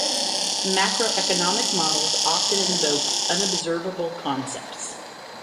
Macroeconomic models often invoke unobservable concepts.